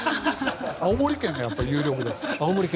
青森県が有力です。